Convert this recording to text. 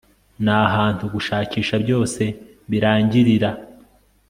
nahantu gushakisha byose birangirira